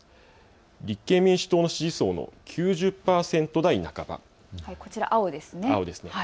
立憲民主党の支持層の９０％台半ば、青ですね。